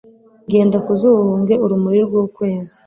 Genda ku zuba uhunge urumuri rw'ukwezi